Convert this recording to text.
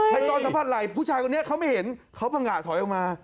ในตอนสัมผัสไหล่ผู้ชายคนนี้เขาไม่เห็นเขาพังงะถอยออกมา